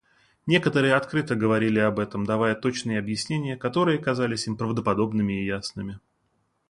Некоторые открыто говорили об этом, давая точные объяснения, которые казались им правдоподобными и ясными.